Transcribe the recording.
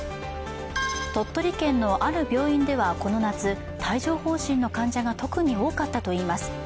鳥取県のある病院ではこの夏、帯状ほう疹の患者が特に多かったといいます。